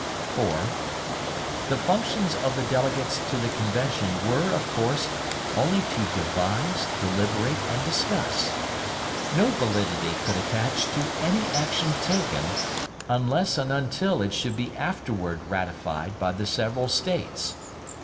4. The functions of the delegates to the Convention were, of course, only to devise, deliberate, and discuss. No validity could attach to any action taken, unless and until it should be afterward ratified by the several States.